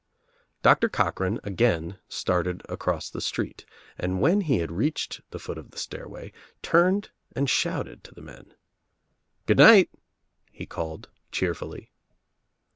Doctor Coch "ran again started across the street and when he had reached the foot of the stairway turned and shouted to the men. "Good night," he called cheerfully.